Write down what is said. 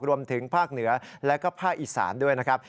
รวมถึงภาคเหนือแล้วก็ภาคอีสานด้วยนะครับ